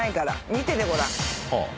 見ててごらん。